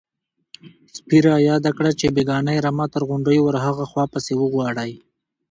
_سپي را ياده کړه چې بېګانۍ رمه تر غونډيو ورهاخوا پسې وغواړئ.